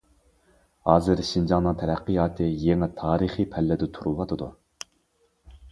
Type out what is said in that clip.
ھازىر شىنجاڭنىڭ تەرەققىياتى يېڭى تارىخىي پەللىدە تۇرۇۋاتىدۇ.